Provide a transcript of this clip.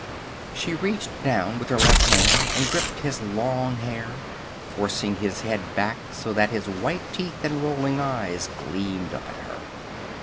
She reached down with her left hand and gripped his long hair, forcing his head back so that his white teeth and rolling eyes gleamed up at her.